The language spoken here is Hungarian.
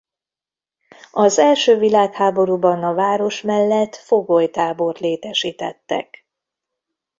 Az első világháborúban a város mellett fogolytábort létesítettek.